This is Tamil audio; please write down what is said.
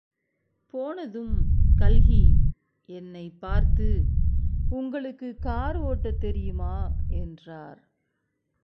போனதும் கல்கி என்னைப் பார்த்து, உங்களுக்கு கார் ஒட்டத் தெரியுமா? என்றார்.